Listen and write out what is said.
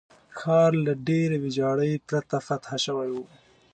ښار له ډېرې ویجاړۍ پرته فتح شوی وو.